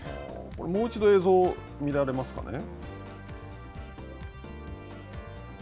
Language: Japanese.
もう一度映像を見られますかね。